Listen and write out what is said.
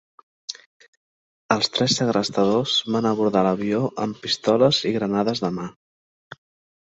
Els tres segrestadors van abordar l'avió amb pistoles i granades de mà.